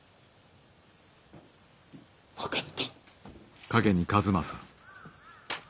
分かった。